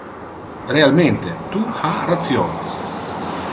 Realmente, tu ha ration.